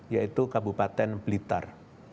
yaitu kabupaten blitar